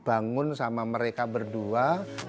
dibangun sama mereka berdua